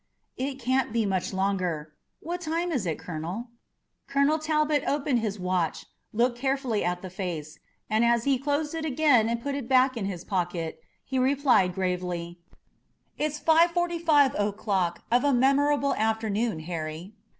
"It can't be much longer. What time is it, Colonel?" Colonel Talbot opened his watch, looked carefully at the face, and as he closed it again and put it back in his pocket, he replied gravely: "It's five forty five o'clock of a memorable afternoon, Harry."